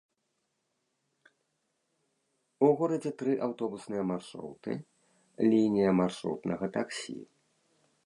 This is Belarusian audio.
У горадзе тры аўтобусныя маршруты, лінія маршрутнага таксі.